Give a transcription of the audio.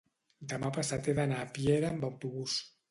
demà passat he d'anar a Piera amb autobús.